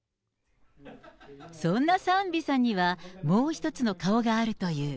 そんなサーンビさんには、もう一つの顔があるという。